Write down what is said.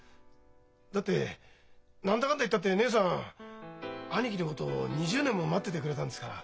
だって何だかんだ言ったって義姉さん兄貴のことを２０年も待っててくれたんですから。